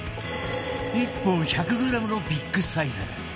１本１００グラムのビッグサイズ